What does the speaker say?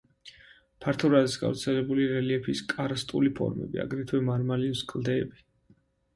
ფართოდ არის გავრცელებული რელიეფის კარსტული ფორმები, აგრეთვე მარმარილოს კლდეები.